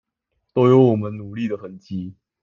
都有我們努力的痕跡